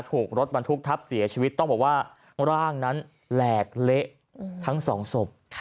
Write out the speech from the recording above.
ถูกรถบรรทุกทับเสียชีวิตต้องบอกว่าร่างนั้นแหลกเละทั้งสองศพ